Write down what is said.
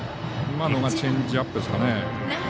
今のがチェンジアップですかね。